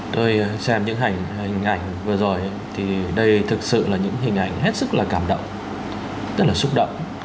tôi xem những hình ảnh vừa rồi thì đây thực sự là những hình ảnh hết sức là cảm động rất là xúc động